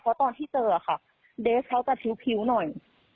เพราะตอนที่เจอเดสเท่ากับชิ้นผิวหน่อย